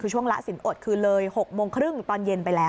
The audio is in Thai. คือช่วงละศีลอดคือเลย๖๓๐นตอนเย็นไปแล้ว